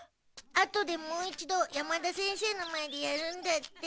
後でもう一度山田先生の前でやるんだって。